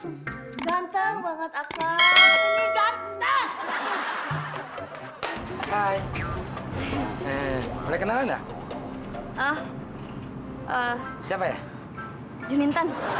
udah udah bawa polisi bawa polisi aja udah